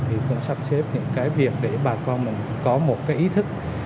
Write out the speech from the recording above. thì cũng sắp xếp những cái việc để bà con mình có một cái ý thức